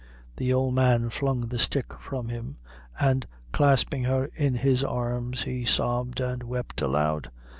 The old man flung the stick from him, and clasping her in his arms, he sobbed and wept aloud.